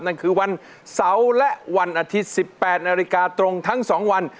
นั่นคือวันเสาร์และวันอาทิตย์๑๘นาฬิกาตรงทั้ง๒วัน